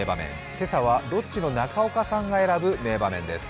今朝は、ロッチの中岡さんが選ぶ名場面です。